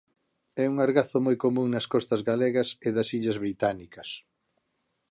É un argazo moi común nas costas galegas e das Illas Británicas.